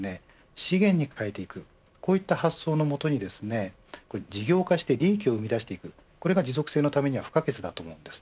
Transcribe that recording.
資源に変えていくこういった発想のもとにですね事業化して利益を生み出すことが持続性のために不可欠だと思います。